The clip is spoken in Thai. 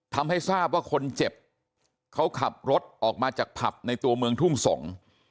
ทำให้ทราบว่าคนเจ็บเขาขับรถออกมาจากผับในตัวเมืองทุ่งสงศ์